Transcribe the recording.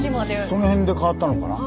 その辺で変わったのかな？